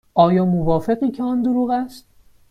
آیا موافقی که آن دروغ است؟